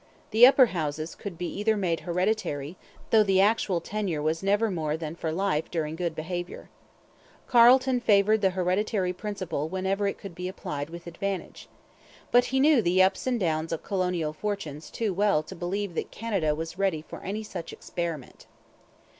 The Upper Houses could be made hereditary; though the actual tenure was never more than for life during good behaviour. Carleton favoured the hereditary principle whenever it could be applied with advantage. But he knew the ups and downs of colonial fortunes too well to believe that Canada was ready for any such experiment.